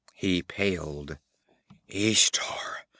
He paled. 'Ishtar!